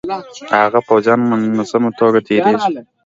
د هغه پوځیان منظمه توګه تیریږي.